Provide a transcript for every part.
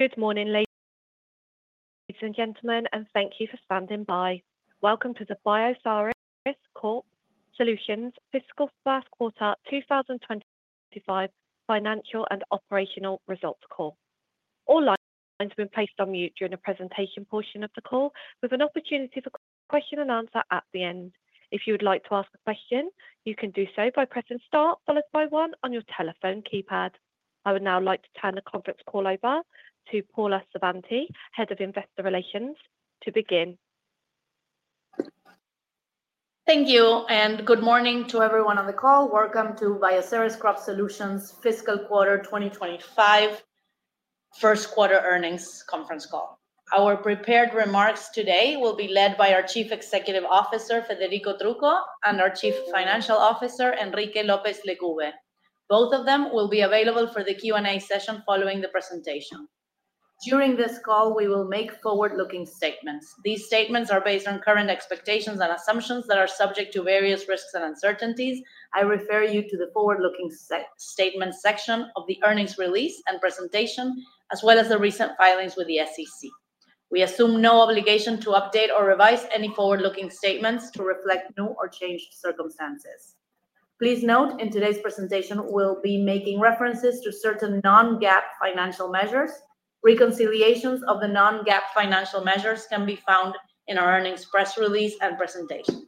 Good morning, ladies and gentlemen, and thank you for standing by. Welcome to the Bioceres Crop Solutions Fiscal First Quarter 2025 Financial and Operational Results Call. All lines have been placed on mute during the presentation portion of the call, with an opportunity for question and answer at the end. If you would like to ask a question, you can do so by pressing star followed by 1 on your telephone keypad. I would now like to turn the conference call over to Paula Savanti, Head of Investor Relations, to begin. Thank you, and good morning to everyone on the call. Welcome to Bioceres Crop Solutions Fiscal Quarter 2025 First Quarter Earnings Conference Call. Our prepared remarks today will be led by our Chief Executive Officer, Federico Trucco, and our Chief Financial Officer, Enrique López Lecube. Both of them will be available for the Q&A session following the presentation. During this call, we will make forward-looking statements. These statements are based on current expectations and assumptions that are subject to various risks and uncertainties. I refer you to the forward-looking statements section of the earnings release and presentation, as well as the recent filings with the SEC. We assume no obligation to update or revise any forward-looking statements to reflect new or changed circumstances. Please note that in today's presentation, we will be making references to certain non-GAAP financial measures. Reconciliations of the Non-GAAP financial measures can be found in our earnings press release and presentation.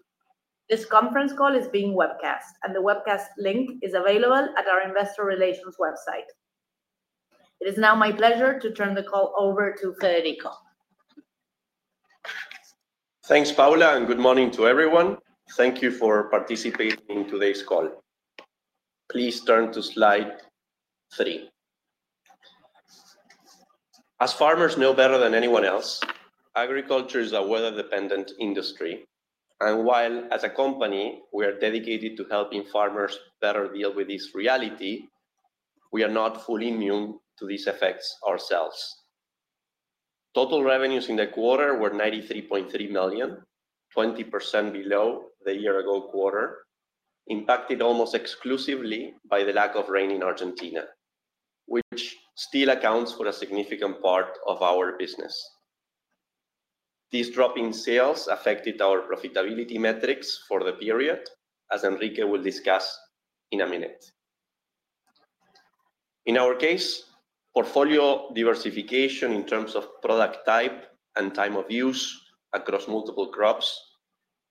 This conference call is being webcast, and the webcast link is available at our Investor Relations website. It is now my pleasure to turn the call over to Federico. Thanks, Paula, and good morning to everyone. Thank you for participating in today's call. Please turn to slide three. As farmers know better than anyone else, agriculture is a weather-dependent industry, and while as a company, we are dedicated to helping farmers better deal with this reality, we are not fully immune to these effects ourselves. Total revenues in the quarter were $93.3 million, 20% below the year-ago quarter, impacted almost exclusively by the lack of rain in Argentina, which still accounts for a significant part of our business. The drop in sales affected our profitability metrics for the period, as Enrique will discuss in a minute. In our case, portfolio diversification in terms of product type and time of use across multiple crops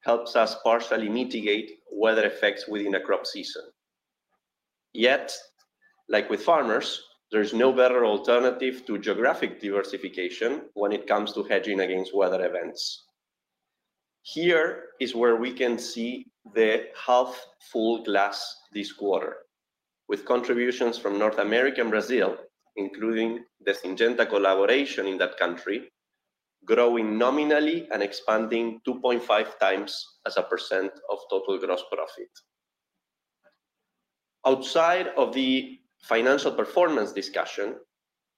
helps us partially mitigate weather effects within a crop season. Yet, like with farmers, there is no better alternative to geographic diversification when it comes to hedging against weather events. Here is where we can see the half-full glass this quarter, with contributions from North America and Brazil, including the Syngenta collaboration in that country, growing nominally and expanding 2.5 times as a percent of total gross profit. Outside of the financial performance discussion,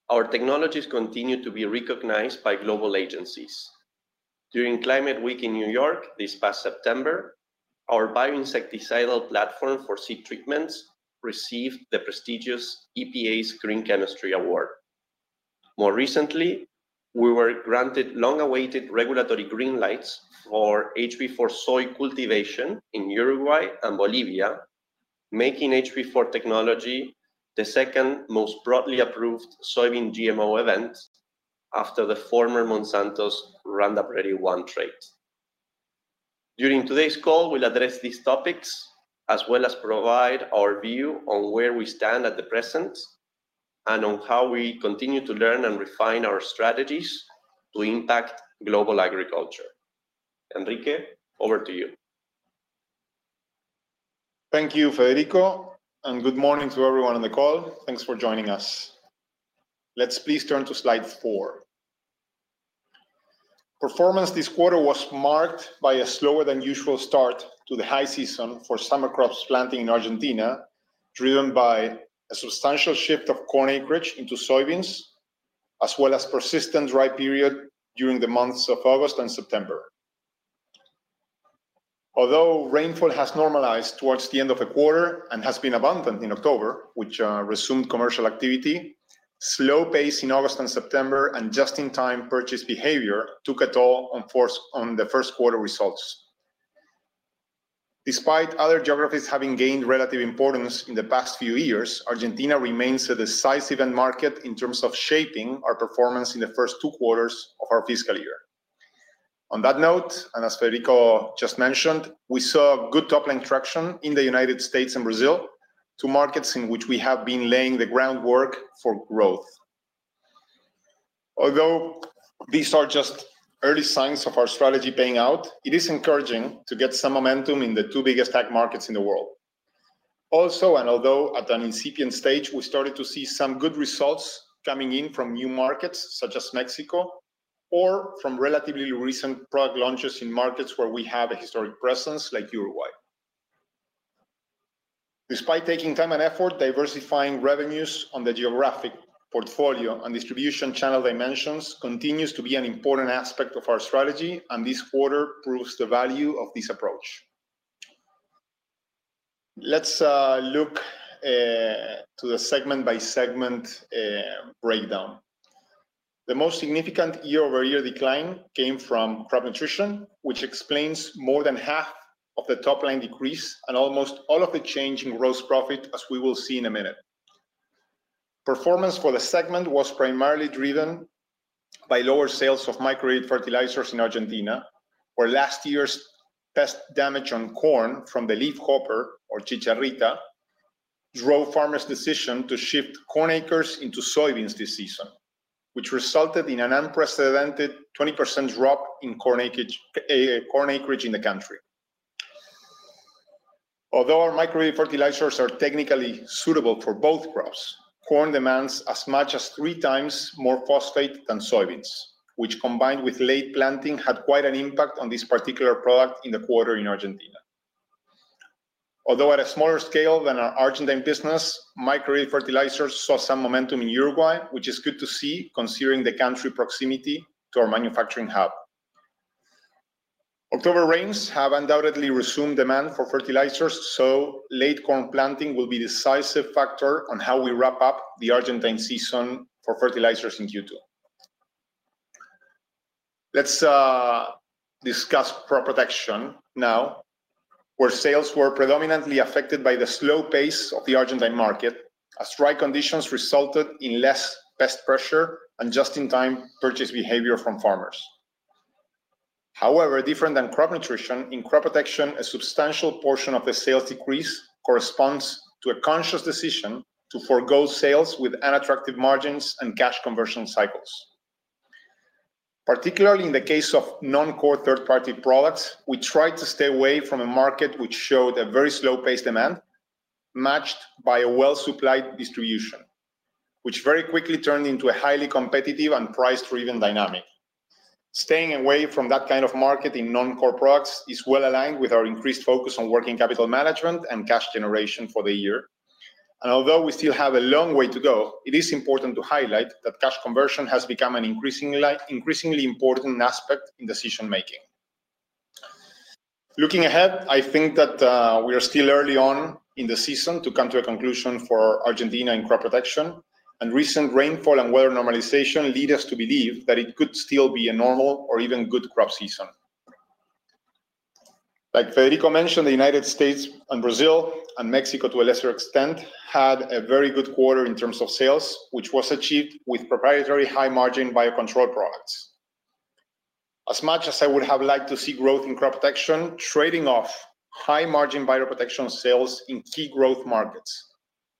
our technologies continue to be recognized by global agencies. During Climate Week in New York this past September, our bioinsecticidal platform for seed treatments received the prestigious EPA's Green Chemistry Award. More recently, we were granted long-awaited regulatory green lights for HB4 soy cultivation in Uruguay and Bolivia, making HB4 technology the second most broadly approved soybean GMO event after the former Monsanto's Roundup Ready 1 trait. During today's call, we'll address these topics, as well as provide our view on where we stand at the present and on how we continue to learn and refine our strategies to impact global agriculture. Enrique, over to you. Thank you, Federico, and good morning to everyone on the call. Thanks for joining us. Let's please turn to slide four. Performance this quarter was marked by a slower than usual start to the high season for summer crops planting in Argentina, driven by a substantial shift of corn acreage into soybeans, as well as persistent dry period during the months of August and September. Although rainfall has normalized towards the end of the quarter and has been abundant in October, which resumed commercial activity. Slow pace in August and September, and just-in-time purchase behavior took a toll on the first quarter results. Despite other geographies having gained relative importance in the past few years, Argentina remains a decisive end market in terms of shaping our performance in the first two quarters of our fiscal year. On that note, and as Federico just mentioned, we saw good top-line traction in the United States and Brazil, two markets in which we have been laying the groundwork for growth. Although these are just early signs of our strategy paying out, it is encouraging to get some momentum in the two biggest tech markets in the world. Also, and although at an incipient stage, we started to see some good results coming in from new markets such as Mexico or from relatively recent product launches in markets where we have a historic presence like Uruguay. Despite taking time and effort, diversifying revenues on the geographic portfolio and distribution channel dimensions continues to be an important aspect of our strategy, and this quarter proves the value of this approach. Let's look to the segment-by-segment breakdown. The most significant year-over-year decline came from crop nutrition, which explains more than half of the top-line decrease and almost all of the change in gross profit, as we will see in a minute. Performance for the segment was primarily driven by lower sales of micro-granulated fertilizers in Argentina, where last year's pest damage on corn from the leafhopper, or chicharrita, drove farmers' decision to shift corn acres into soybeans this season, which resulted in an unprecedented 20% drop in corn acreage in the country. Although our micro-granulated fertilizers are technically suitable for both crops, corn demands as much as three times more phosphate than soybeans, which, combined with late planting, had quite an impact on this particular product in the quarter in Argentina. Although at a smaller scale than our Argentine business, micro-granulated fertilizers saw some momentum in Uruguay, which is good to see considering the country's proximity to our manufacturing hub. October rains have undoubtedly resumed demand for fertilizers, so late corn planting will be a decisive factor on how we wrap up the Argentine season for fertilizers in Q2. Let's discuss crop protection now, where sales were predominantly affected by the slow pace of the Argentine market, as dry conditions resulted in less pest pressure and just-in-time purchase behavior from farmers. However, different than crop nutrition, in crop protection, a substantial portion of the sales decrease corresponds to a conscious decision to forgo sales with unattractive margins and cash conversion cycles. Particularly in the case of non-core third-party products, we tried to stay away from a market which showed a very slow-paced demand matched by a well-supplied distribution, which very quickly turned into a highly competitive and price-driven dynamic. Staying away from that kind of market in non-core products is well aligned with our increased focus on working capital management and cash generation for the year. And although we still have a long way to go, it is important to highlight that cash conversion has become an increasingly important aspect in decision-making. Looking ahead, I think that we are still early on in the season to come to a conclusion for Argentina in crop protection, and recent rainfall and weather normalization lead us to believe that it could still be a normal or even good crop season. Like Federico mentioned, the United States and Brazil and Mexico, to a lesser extent, had a very good quarter in terms of sales, which was achieved with proprietary high-margin biocontrol products. As much as I would have liked to see growth in crop protection, trading off high-margin bioprotection sales in key growth markets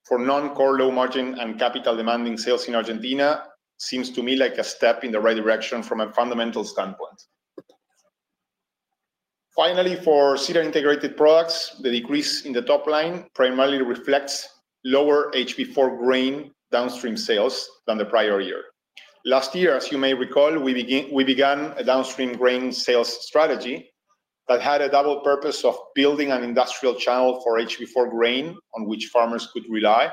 for non-core low-margin and capital-demanding sales in Argentina seems to me like a step in the right direction from a fundamental standpoint. Finally, for Seed and Integrated products, the decrease in the top line primarily reflects lower HB4 grain downstream sales than the prior year. Last year, as you may recall, we began a downstream grain sales strategy that had a double purpose of building an industrial channel for HB4 grain on which farmers could rely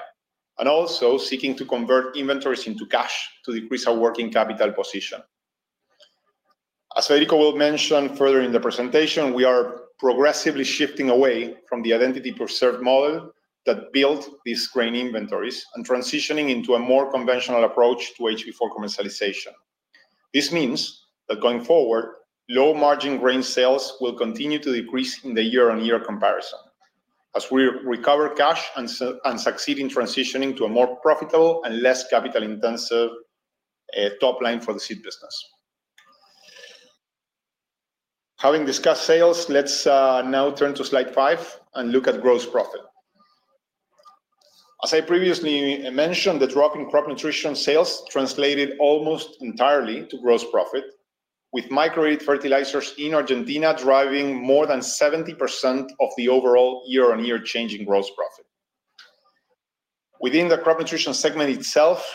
and also seeking to convert inventories into cash to decrease our working capital position. As Federico will mention further in the presentation, we are progressively shifting away from the identity-preserved model that built these grain inventories and transitioning into a more conventional approach to HB4 commercialization. This means that going forward, low-margin grain sales will continue to decrease in the year-on-year comparison as we recover cash and succeed in transitioning to a more profitable and less capital-intensive top line for the seed business. Having discussed sales, let's now turn to slide five and look at gross profit. As I previously mentioned, the drop in crop nutrition sales translated almost entirely to gross profit, with micro-granulated fertilizers in Argentina driving more than 70% of the overall year-on-year changing gross profit. Within the crop nutrition segment itself,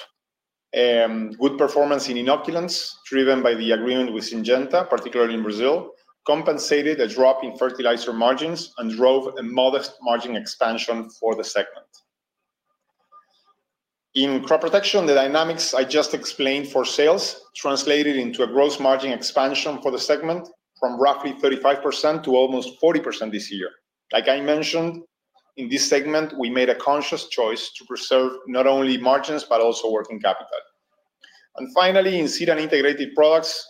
good performance in inoculants driven by the agreement with Syngenta, particularly in Brazil, compensated a drop in fertilizer margins and drove a modest margin expansion for the segment. In crop protection, the dynamics I just explained for sales translated into a gross margin expansion for the segment from roughly 35% to almost 40% this year. Like I mentioned, in this segment, we made a conscious choice to preserve not only margins but also working capital. And finally, in cereal-integrated products,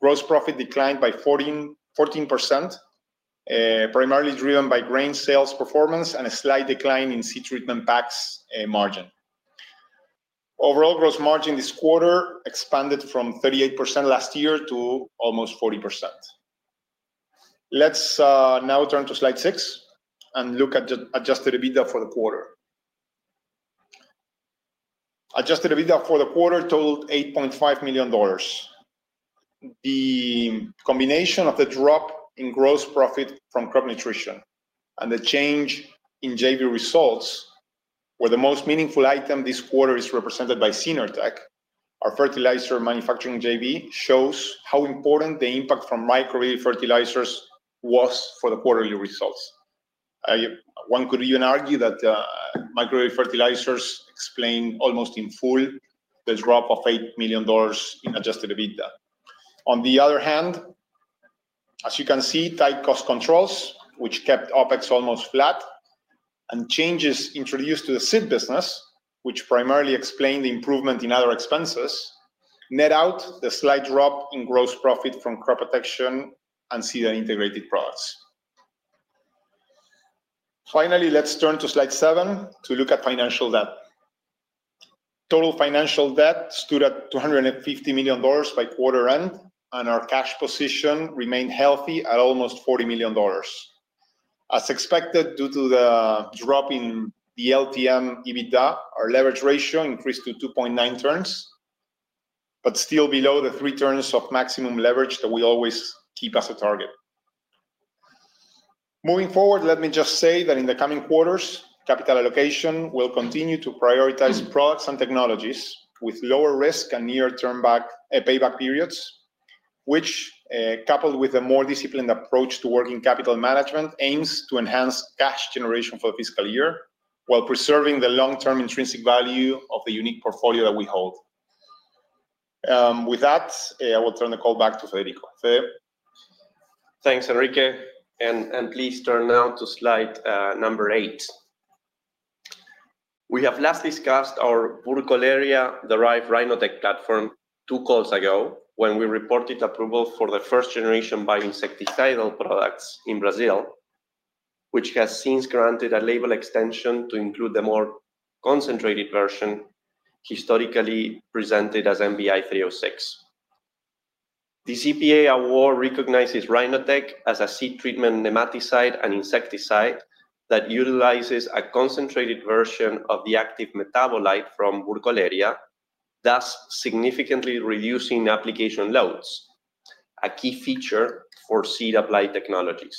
gross profit declined by 14%, primarily driven by grain sales performance and a slight decline in seed treatment packs margin. Overall gross margin this quarter expanded from 38% last year to almost 40%. Let's now turn to slide six and look at Adjusted EBITDA for the quarter. Adjusted EBITDA for the quarter totaled $8.5 million. The combination of the drop in gross profit from crop nutrition and the change in JV results, where the most meaningful item this quarter is represented by Synertech, our fertilizer manufacturing JV, shows how important the impact from micro-granulated fertilizers was for the quarterly results. One could even argue that micro-granulated fertilizers explain almost in full the drop of $8 million in Adjusted EBITDA. On the other hand, as you can see, tight cost controls, which kept OpEx almost flat, and changes introduced to the seed business, which primarily explained the improvement in other expenses, net out the slight drop in gross profit from crop protection and cereal-integrated products. Finally, let's turn to slide seven to look at financial debt. Total financial debt stood at $250 million by quarter end, and our cash position remained healthy at almost $40 million. As expected, due to the drop in the LTM EBITDA, our leverage ratio increased to 2.9 turns, but still below the three turns of maximum leverage that we always keep as a target. Moving forward, let me just say that in the coming quarters, capital allocation will continue to prioritize products and technologies with lower risk and nearer payback periods, which, coupled with a more disciplined approach to working capital management, aims to enhance cash generation for the fiscal year while preserving the long-term intrinsic value of the unique portfolio that we hold. With that, I will turn the call back to Federico. Thanks, Enrique. Please turn now to slide number eight. We have last discussed our Burkholderia-derived RinoTec platform two calls ago when we reported approval for the first-generation bioinsecticidal products in Brazil, which has since granted a label extension to include the more concentrated version, historically presented as MBI 306. This EPA award recognizes RinoTec as a seed treatment nematicide and insecticide that utilizes a concentrated version of the active metabolite from Burkholderia, thus significantly reducing application loads, a key feature for seed-applied technologies.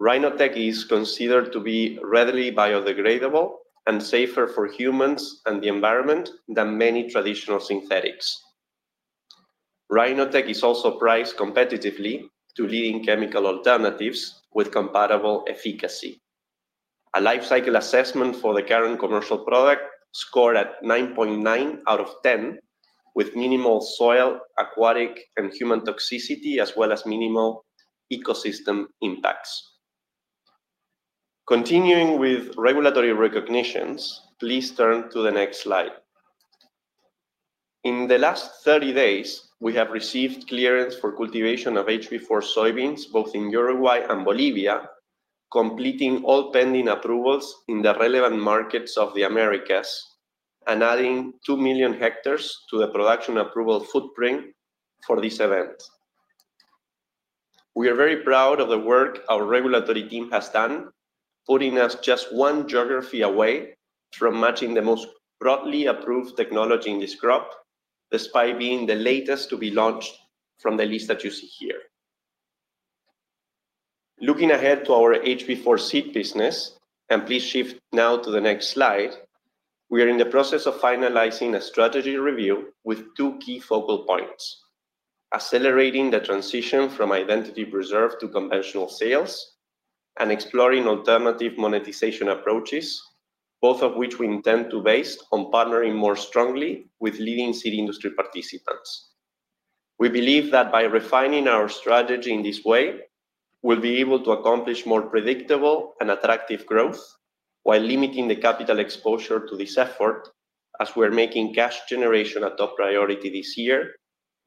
RinoTec is considered to be readily biodegradable and safer for humans and the environment than many traditional synthetics. RinoTec is also priced competitively to leading chemical alternatives with comparable efficacy. A life cycle assessment for the current commercial product scored at 9.9 out of 10, with minimal soil, aquatic, and human toxicity, as well as minimal ecosystem impacts. Continuing with regulatory recognitions, please turn to the next slide. In the last 30 days, we have received clearance for cultivation of HB4 soybeans both in Uruguay and Bolivia, completing all pending approvals in the relevant markets of the Americas, and adding 2 million hectares to the production approval footprint for this event. We are very proud of the work our regulatory team has done, putting us just one geography away from matching the most broadly approved technology in this crop, despite being the latest to be launched from the list that you see here. Looking ahead to our HB4 seed business, and please shift now to the next slide, we are in the process of finalizing a strategy review with two key focal points: accelerating the transition from identity-preserved to conventional sales and exploring alternative monetization approaches, both of which we intend to base on partnering more strongly with leading seed industry participants. We believe that by refining our strategy in this way, we'll be able to accomplish more predictable and attractive growth while limiting the capital exposure to this effort, as we are making cash generation a top priority this year,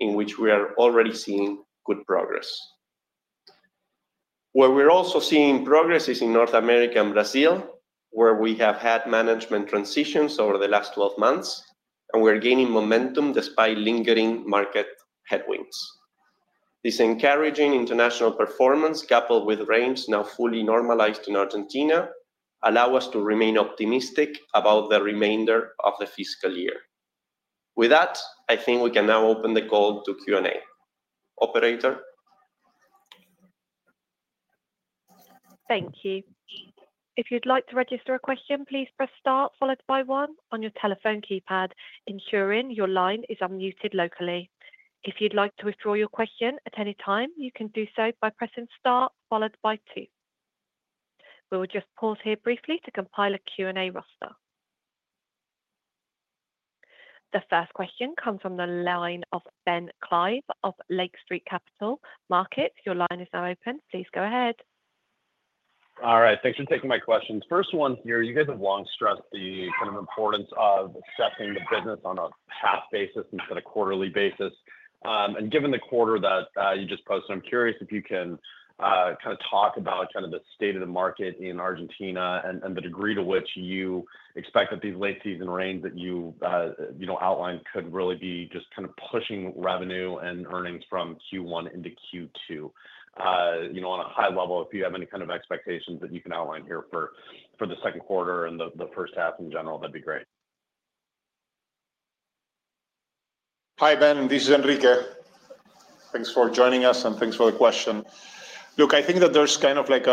in which we are already seeing good progress. Where we're also seeing progress is in North America and Brazil, where we have had management transitions over the last 12 months, and we are gaining momentum despite lingering market headwinds. This encouraging international performance, coupled with rains now fully normalized in Argentina, allows us to remain optimistic about the remainder of the fiscal year. With that, I think we can now open the call to Q&A. Operator. Thank you. If you'd like to register a question, please press star followed by one on your telephone keypad, ensuring your line is unmuted locally. If you'd like to withdraw your question at any time, you can do so by pressing star followed by two. We will just pause here briefly to compile a Q&A roster. The first question comes from the line of Ben Klieve of Lake Street Capital Markets, your line is now open. Please go ahead. All right. Thanks for taking my questions. First one here, you guys have long stressed the kind of importance of assessing the business on a half basis instead of quarterly basis. And given the quarter that you just posted, I'm curious if you can kind of talk about kind of the state of the market in Argentina and the degree to which you expect that these late-season rains that you outlined could really be just kind of pushing revenue and earnings from Q1 into Q2? On a high level, if you have any kind of expectations that you can outline here for the second quarter and the first half in general, that'd be great. Hi, Ben. This is Enrique. Thanks for joining us, and thanks for the question. Look, I think that there's kind of like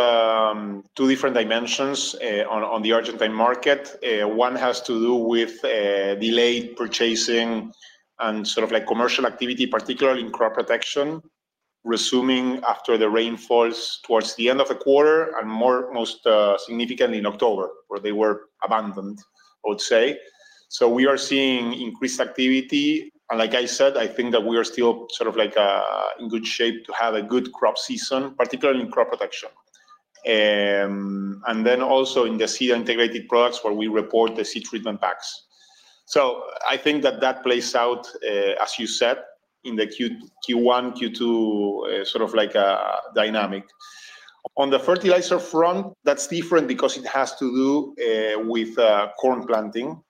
two different dimensions on the Argentine market. One has to do with delayed purchasing and sort of like commercial activity, particularly in crop protection, resuming after the rainfalls towards the end of the quarter and most significantly in October, where they were abandoned, I would say. So we are seeing increased activity. And like I said, I think that we are still sort of like in good shape to have a good crop season, particularly in crop protection. And then also in the cereal-integrated products where we report the seed treatment packs. So I think that that plays out, as you said, in the Q1, Q2 sort of like dynamic. On the fertilizer front, that's different because it has to do with corn planting.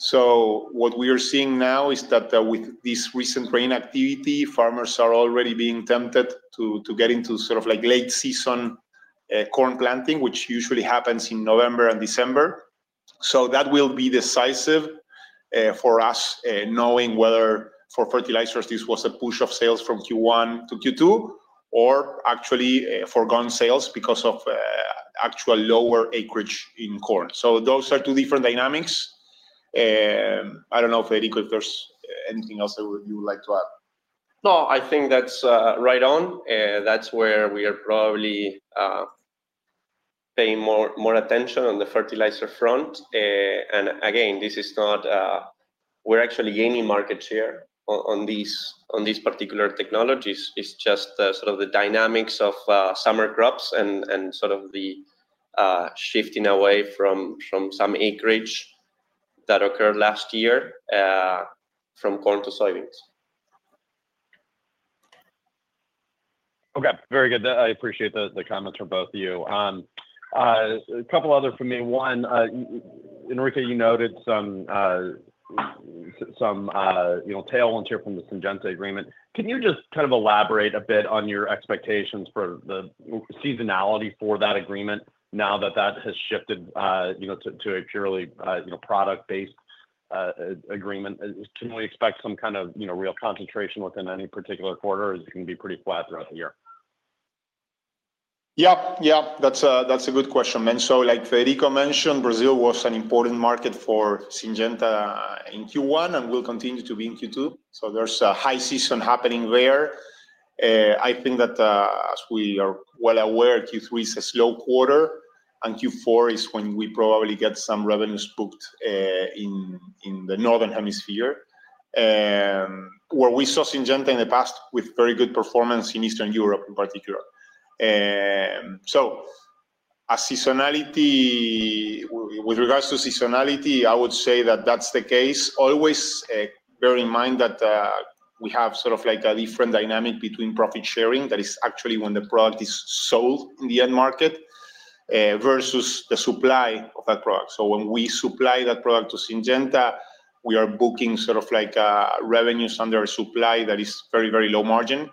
So what we are seeing now is that with this recent rain activity, farmers are already being tempted to get into sort of like late-season corn planting, which usually happens in November and December. So that will be decisive for us knowing whether for fertilizers this was a push of sales from Q1 to Q2 or actually foregone sales because of actual lower acreage in corn. So those are two different dynamics. I don't know, Federico, if there's anything else that you would like to add. No, I think that's right on. That's where we are probably paying more attention on the fertilizer front, and again, this is not where we're actually gaining market share on these particular technologies. It's just sort of the dynamics of summer crops and sort of the shifting away from some acreage that occurred last year from corn to soybeans. Okay. Very good. I appreciate the comments from both of you. A couple of others from me. One, Enrique, you noted some tailwinds here from the Syngenta agreement. Can you just kind of elaborate a bit on your expectations for the seasonality for that agreement now that that has shifted to a purely product-based agreement? Can we expect some kind of real concentration within any particular quarter or is it going to be pretty flat throughout the year? Yeah, yeah. That's a good question. And so like Federico mentioned, Brazil was an important market for Syngenta in Q1 and will continue to be in Q2. So there's a high season happening there. I think that as we are well aware, Q3 is a slow quarter, and Q4 is when we probably get some revenues booked in the northern hemisphere, where we saw Syngenta in the past with very good performance in Eastern Europe in particular. So with regards to seasonality, I would say that that's the case. Always bear in mind that we have sort of like a different dynamic between profit sharing that is actually when the product is sold in the end market versus the supply of that product. So when we supply that product to Syngenta, we are booking sort of like revenues under supply that is very, very low margin.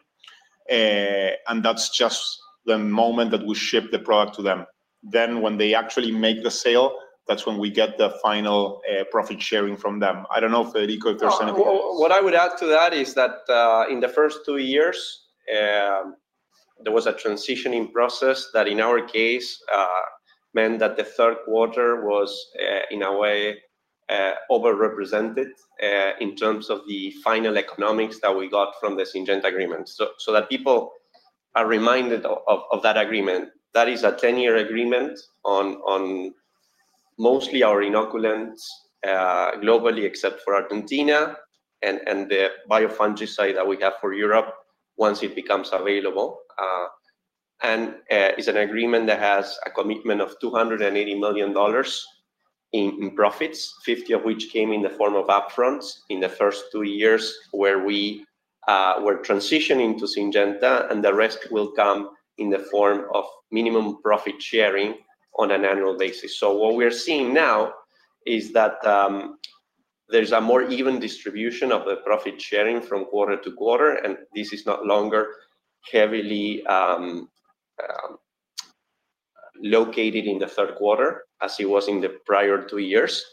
And that's just the moment that we ship the product to them. Then when they actually make the sale, that's when we get the final profit sharing from them. I don't know, Federico, if there's anything else. What I would add to that is that in the first two years, there was a transitioning process that in our case meant that the third quarter was in a way overrepresented in terms of the final economics that we got from the Syngenta agreement, so that people are reminded of that agreement. That is a 10-year agreement on mostly our inoculants globally, except for Argentina and the biofungicide that we have for Europe once it becomes available, and it's an agreement that has a commitment of $280 million in profits, $50 million of which came in the form of upfront in the first two years where we were transitioning to Syngenta, and the rest will come in the form of minimum profit sharing on an annual basis. So what we are seeing now is that there's a more even distribution of the profit sharing from quarter to quarter, and this is no longer heavily located in the third quarter as it was in the prior two years.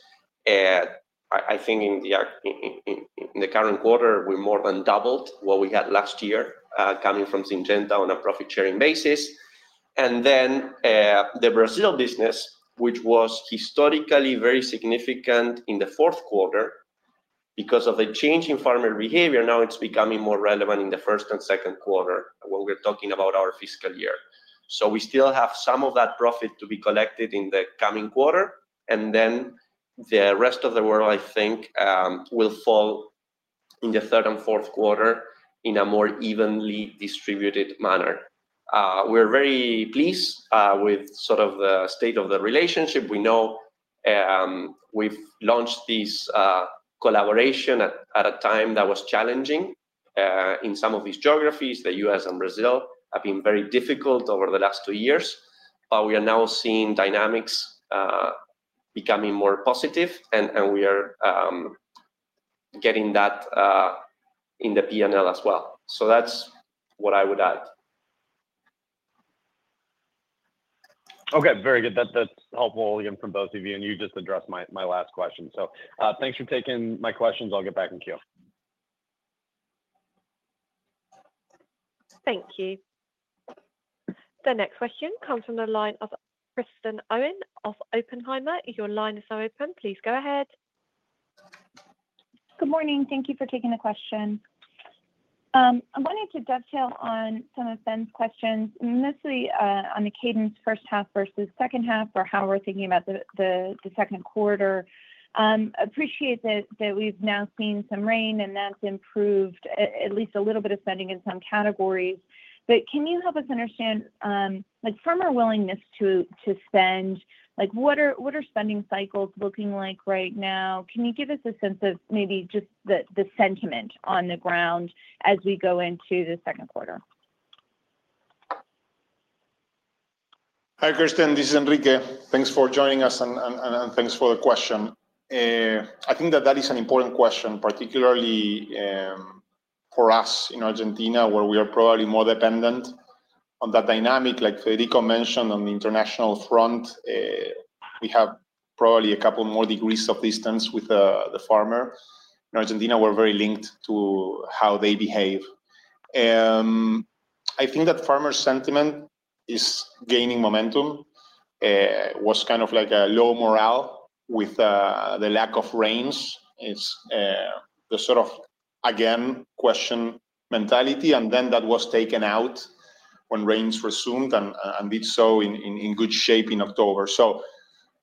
I think in the current quarter, we more than doubled what we had last year coming from Syngenta on a profit sharing basis. And then the Brazil business, which was historically very significant in the fourth quarter because of the change in farmer behavior, now it's becoming more relevant in the first and second quarter when we're talking about our fiscal year. So we still have some of that profit to be collected in the coming quarter. And then the rest of the world, I think, will fall in the third and fourth quarter in a more evenly distributed manner. We're very pleased with sort of the state of the relationship. We know we've launched this collaboration at a time that was challenging in some of these geographies. The U.S. and Brazil have been very difficult over the last two years. But we are now seeing dynamics becoming more positive, and we are getting that in the P&L as well. So that's what I would add. Okay. Very good. That's helpful from both of you. And you just addressed my last question. So thanks for taking my questions. I'll get back in queue. Thank you. The next question comes from the line of Kristen Owen of Oppenheimer. Your line is now open. Please go ahead. Good morning. Thank you for taking the question. I wanted to dovetail on some of Ben's questions, mostly on the cadence, first half versus second half, or how we're thinking about the second quarter. I appreciate that we've now seen some rain, and that's improved at least a little bit of spending in some categories. But can you help us understand farmer willingness to spend? What are spending cycles looking like right now? Can you give us a sense of maybe just the sentiment on the ground as we go into the second quarter? Hi, Kristen. This is Enrique. Thanks for joining us, and thanks for the question. I think that that is an important question, particularly for us in Argentina, where we are probably more dependent on that dynamic. Like Federico mentioned on the international front, we have probably a couple more degrees of distance with the farmer. In Argentina, we're very linked to how they behave. I think that farmer sentiment is gaining momentum. It was kind of like a low morale with the lack of rains. It's the sort of, again, question mentality. And then that was taken out when rains resumed and did so in good shape in October. So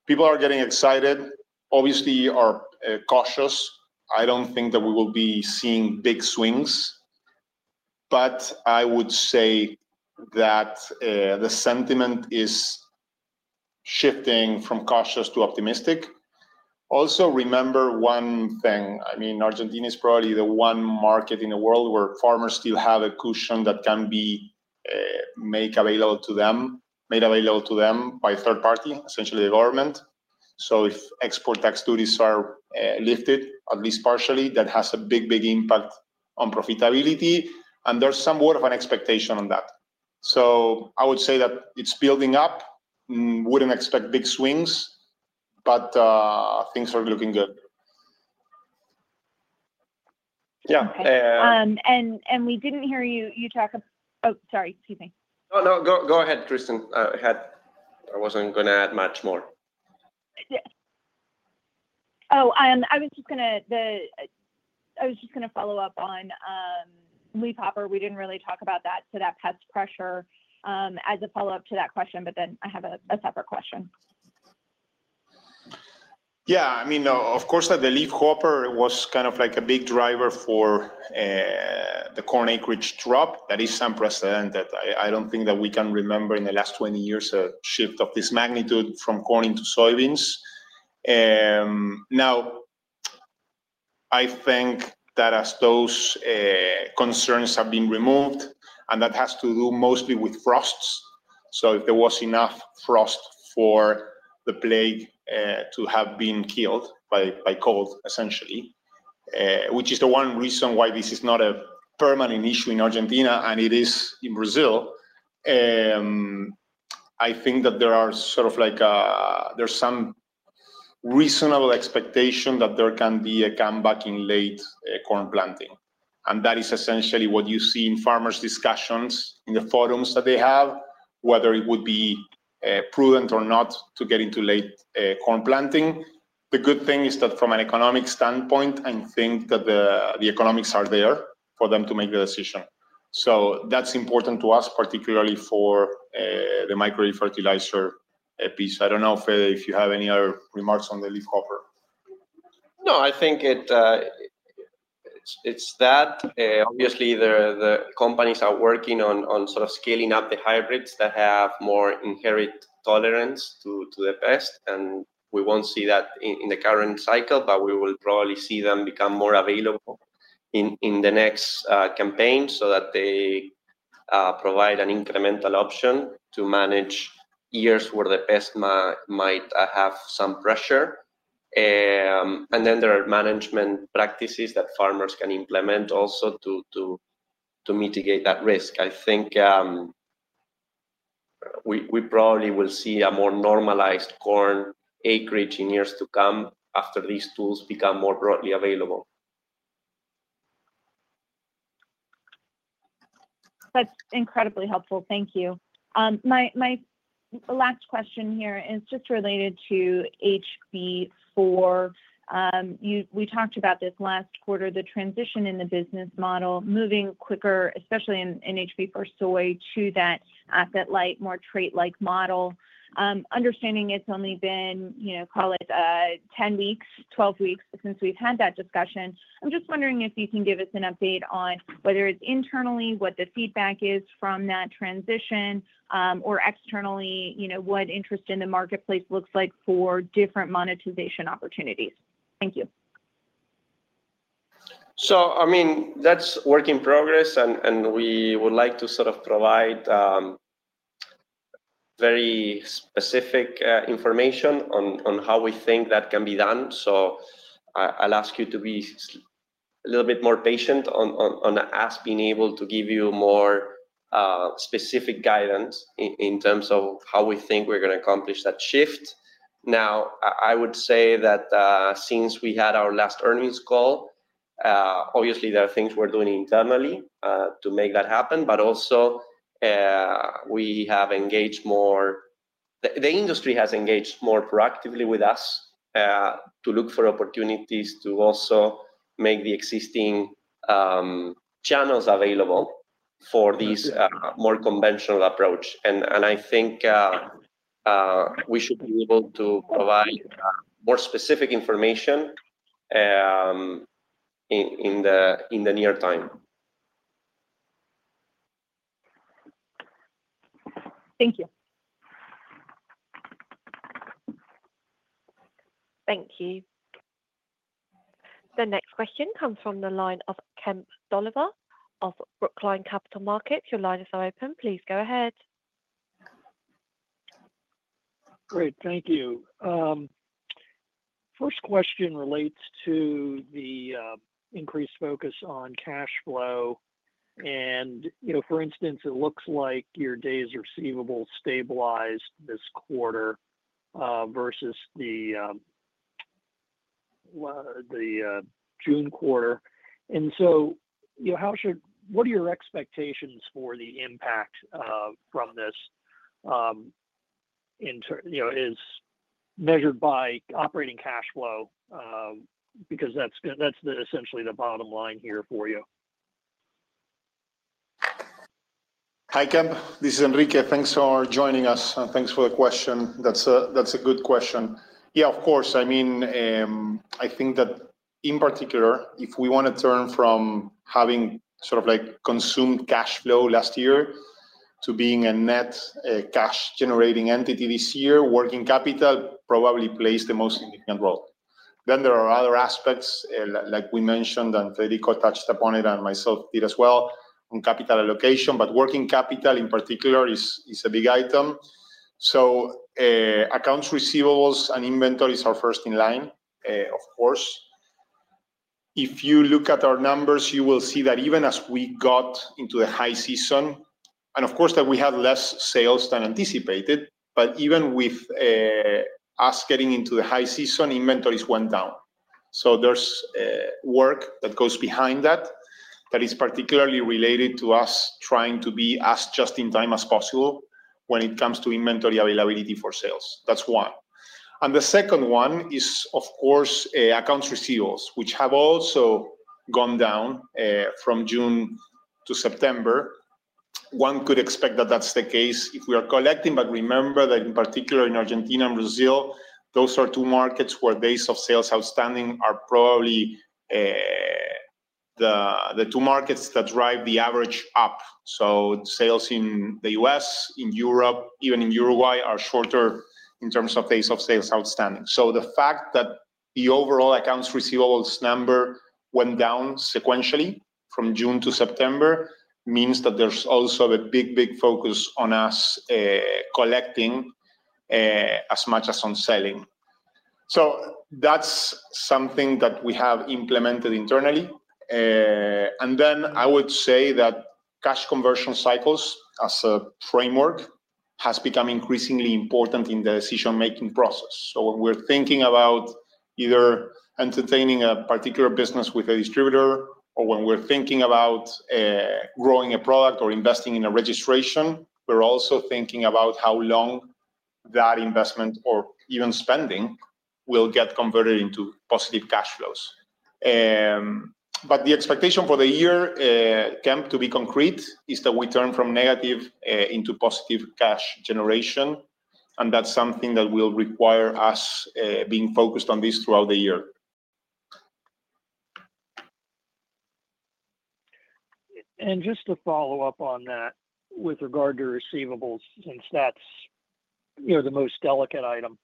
people are getting excited. Obviously, we are cautious. I don't think that we will be seeing big swings. But I would say that the sentiment is shifting from cautious to optimistic. Also, remember one thing. I mean, Argentina is probably the one market in the world where farmers still have a cushion that can be made available to them by a third party, essentially the government. So if export tax duties are lifted, at least partially, that has a big, big impact on profitability. And there's somewhat of an expectation on that. So I would say that it's building up. We wouldn't expect big swings, but things are looking good. Yeah. And we didn't hear you talk about, oh, sorry. Excuse me. No, no. Go ahead, Kristen. I wasn't going to add much more. Oh, I was just going to follow up on leafhopper. We didn't really talk about that, so that pest pressure as a follow-up to that question. But then I have a separate question. Yeah. I mean, of course, that the leafhopper was kind of like a big driver for the corn acreage drop. That is unprecedented. I don't think that we can remember in the last 20 years a shift of this magnitude from corn into soybeans. Now, I think that as those concerns have been removed, and that has to do mostly with frosts. So if there was enough frost for the plague to have been killed by cold, essentially, which is the one reason why this is not a permanent issue in Argentina and it is in Brazil, I think that there are sort of like, there's some reasonable expectation that there can be a comeback in late corn planting, and that is essentially what you see in farmer's discussions in the forums that they have, whether it would be prudent or not to get into late corn planting. The good thing is that from an economic standpoint, I think that the economics are there for them to make the decision. So that's important to us, particularly for the micro fertilizer piece. I don't know, Fede, if you have any other remarks on the leafhopper. No, I think it's that. Obviously, the companies are working on sort of scaling up the hybrids that have more inherent tolerance to the pest. And we won't see that in the current cycle, but we will probably see them become more available in the next campaign so that they provide an incremental option to manage years where the pest might have some pressure. And then there are management practices that farmers can implement also to mitigate that risk. I think we probably will see a more normalized corn acreage in years to come after these tools become more broadly available. That's incredibly helpful. Thank you. My last question here is just related to HB4. We talked about this last quarter, the transition in the business model, moving quicker, especially in HB4 soy to that asset-like, more trait-like model. Understanding it's only been, call it 10 weeks, 12 weeks since we've had that discussion. I'm just wondering if you can give us an update on whether it's internally, what the feedback is from that transition, or externally, what interest in the marketplace looks like for different monetization opportunities. Thank you. So I mean, that's work in progress, and we would like to sort of provide very specific information on how we think that can be done. So I'll ask you to be a little bit more patient on us being able to give you more specific guidance in terms of how we think we're going to accomplish that shift. Now, I would say that since we had our last earnings call, obviously, there are things we're doing internally to make that happen. But also, we have engaged more, the industry has engaged more proactively with us to look for opportunities to also make the existing channels available for this more conventional approach. And I think we should be able to provide more specific information in the near term. Thank you. Thank you. The next question comes from the line of Kemp Dolliver of Brookline Capital Markets. Your line is now open. Please go ahead. Great. Thank you. First question relates to the increased focus on cash flow. And for instance, it looks like your days receivable stabilized this quarter versus the June quarter. And so what are your expectations for the impact from this? It's measured by operating cash flow because that's essentially the bottom line here for you. Hi, Kemp. This is Enrique. Thanks for joining us, and thanks for the question. That's a good question. Yeah, of course. I mean, I think that in particular, if we want to turn from having sort of like consumed cash flow last year to being a net cash-generating entity this year, working capital probably plays the most significant role. Then there are other aspects, like we mentioned, and Federico touched upon it, and myself did as well, on capital allocation. But working capital, in particular, is a big item. So accounts receivables and inventories are first in line, of course. If you look at our numbers, you will see that even as we got into the high season, and of course, that we had less sales than anticipated, but even with us getting into the high season, inventories went down. So there's work that goes behind that that is particularly related to us trying to be as just in time as possible when it comes to inventory availability for sales. That's one. And the second one is, of course, accounts receivables, which have also gone down from June to September. One could expect that that's the case if we are collecting. But remember that in particular, in Argentina and Brazil, those are two markets where days of sales outstanding are probably the two markets that drive the average up. So sales in the U.S., in Europe, even in Uruguay are shorter in terms of days of sales outstanding. So the fact that the overall accounts receivables number went down sequentially from June to September means that there's also a big, big focus on us collecting as much as on selling. So that's something that we have implemented internally. And then I would say that cash conversion cycles as a framework has become increasingly important in the decision-making process. So when we're thinking about either entertaining a particular business with a distributor or when we're thinking about growing a product or investing in a registration, we're also thinking about how long that investment or even spending will get converted into positive cash flows. But the expectation for the year, Kemp, to be concrete is that we turn from negative into positive cash generation. And that's something that will require us being focused on this throughout the year. And just to follow up on that with regard to receivables, since that's the most delicate item,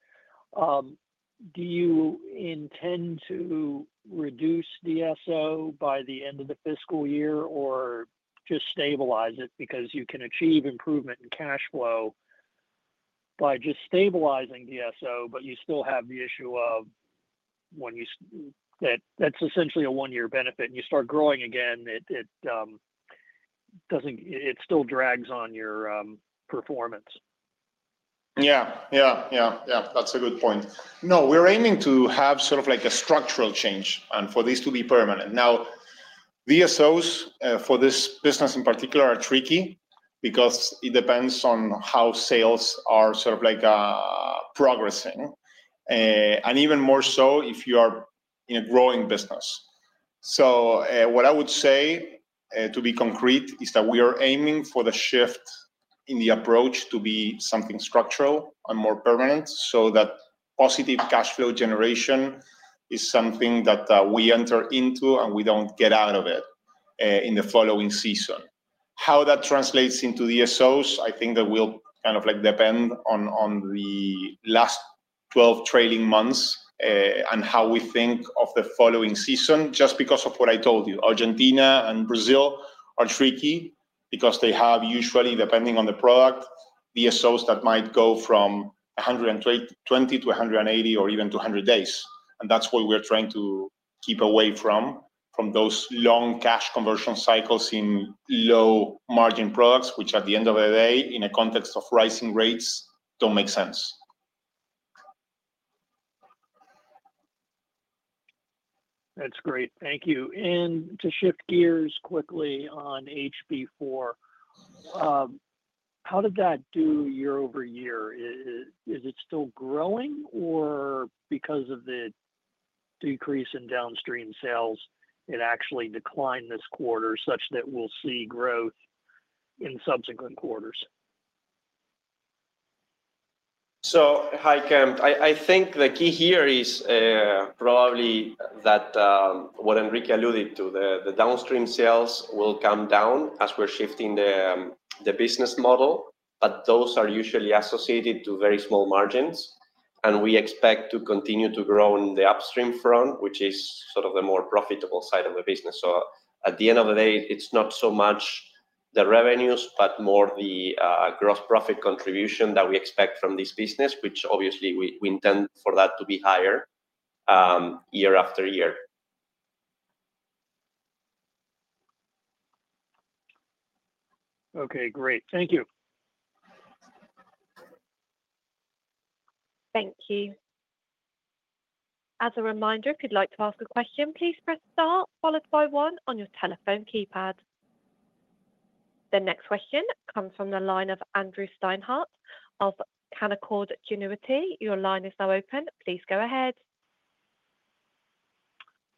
do you intend to reduce the DSO by the end of the fiscal year or just stabilize it because you can achieve improvement in cash flow by just stabilizing the DSO, but you still have the issue of when you, that's essentially a one-year benefit. And you start growing again, it still drags on your performance. That's a good point. No, we're aiming to have sort of like a structural change and for this to be permanent. Now, the DSOs for this business in particular are tricky because it depends on how sales are sort of like progressing and even more so if you are in a growing business. So what I would say to be concrete is that we are aiming for the shift in the approach to be something structural and more permanent so that positive cash flow generation is something that we enter into and we don't get out of it in the following season. How that translates into the DSOs, I think that will kind of like depend on the last 12 trailing months and how we think of the following season just because of what I told you. Argentina and Brazil are tricky because they have usually, depending on the product, the DSOs that might go from 120 to 180 or even 200 days, and that's what we're trying to keep away from, from those long cash conversion cycles in low-margin products, which at the end of the day, in a context of rising rates, don't make sense. That's great. Thank you. And to shift gears quickly on HB4, how did that do year over year? Is it still growing or because of the decrease in downstream sales, it actually declined this quarter such that we'll see growth in subsequent quarters? So hi, Kemp. I think the key here is probably that what Enrique alluded to, the downstream sales will come down as we're shifting the business model. But those are usually associated to very small margins. And we expect to continue to grow on the upstream front, which is sort of the more profitable side of the business. So at the end of the day, it's not so much the revenues, but more the gross profit contribution that we expect from this business, which obviously we intend for that to be higher year after year. Okay. Great. Thank you. Thank you. As a reminder, if you'd like to ask a question, please press Star, followed by 1 on your telephone keypad. The next question comes from the line of Andrew Steinhardt of Canaccord Genuity. Your line is now open. Please go ahead.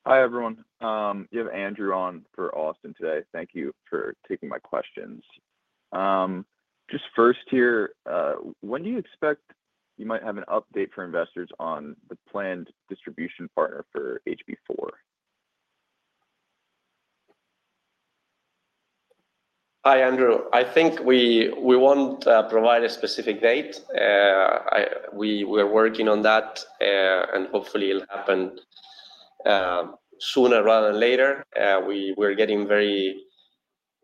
Hi everyone. You have Andrew on for Austin today. Thank you for taking my questions. Just first here, when do you expect you might have an update for investors on the planned distribution partner for HB4? Hi, Andrew. I think we won't provide a specific date. We are working on that, and hopefully it'll happen sooner rather than later. We're getting very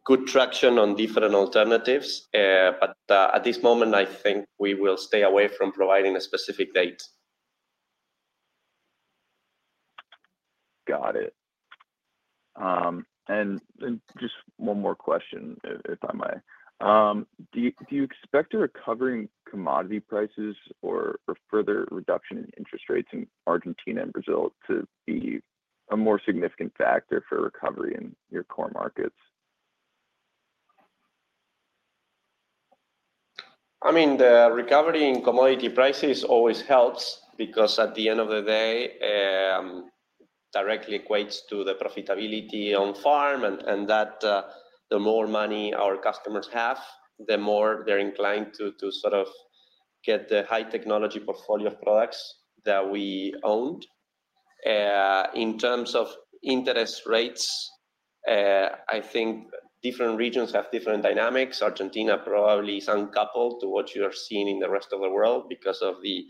good traction on different alternatives. But at this moment, I think we will stay away from providing a specific date. Got it. And just one more question, if I may. Do you expect the recovering commodity prices or further reduction in interest rates in Argentina and Brazil to be a more significant factor for recovery in your core markets? I mean, the recovery in commodity prices always helps because at the end of the day, directly equates to the profitability on farm, and that the more money our customers have, the more they're inclined to sort of get the high-technology portfolio of products that we own. In terms of interest rates, I think different regions have different dynamics. Argentina probably is uncoupled to what you are seeing in the rest of the world because of the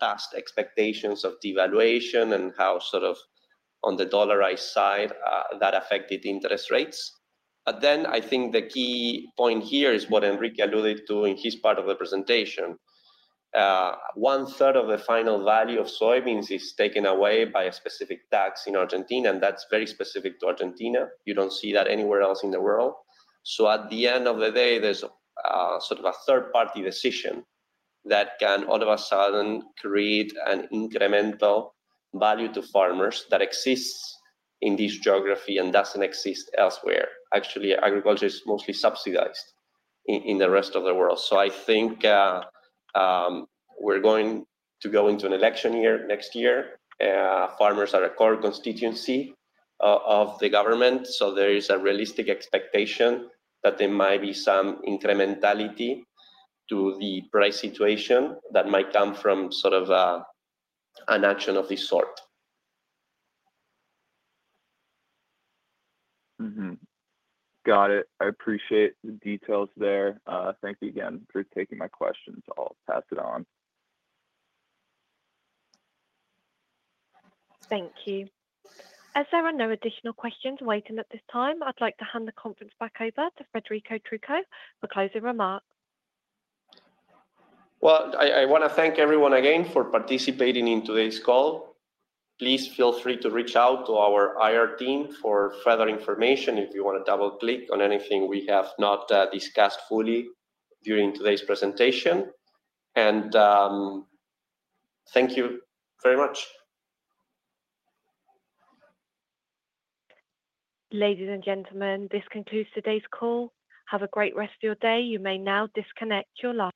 past expectations of devaluation and how sort of on the dollarized side that affected interest rates, but then I think the key point here is what Enrique alluded to in his part of the presentation. One third of the final value of soybeans is taken away by a specific tax in Argentina, and that's very specific to Argentina. You don't see that anywhere else in the world. So at the end of the day, there's sort of a third-party decision that can all of a sudden create an incremental value to farmers that exists in this geography and doesn't exist elsewhere. Actually, agriculture is mostly subsidized in the rest of the world. So I think we're going to go into an election year next year. Farmers are a core constituency of the government. So there is a realistic expectation that there might be some incrementality to the price situation that might come from sort of an action of this sort. Got it. I appreciate the details there. Thank you again for taking my questions. I'll pass it on. Thank you. As there are no additional questions waiting at this time, I'd like to hand the conference back over to Federico Trucco. I want to thank everyone again for participating in today's call. Please feel free to reach out to our IR team for further information if you want to double-click on anything we have not discussed fully during today's presentation. Thank you very much. Ladies and gentlemen, this concludes today's call. Have a great rest of your day. You may now disconnect your line.